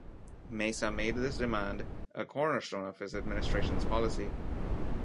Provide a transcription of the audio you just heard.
Mesa made this demand a cornerstone of his administration's policy.